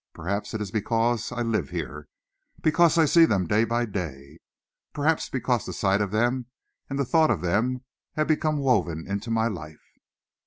Perhaps it is because I live here, because I see them day by day; perhaps because the sight of them and the thought of them have become woven into my life."